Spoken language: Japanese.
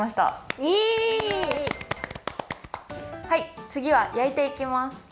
はいつぎはやいていきます。